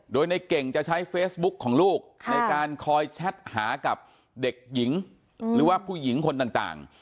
โดยในเก่งจะใช้เฟซบุ๊กของลูกในการคอยแชทหากับเด็กหญิงหรือว่าผู้หญิงคนต่าง